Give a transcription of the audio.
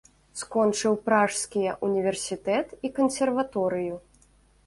Скончыў пражскія ўніверсітэт і кансерваторыю.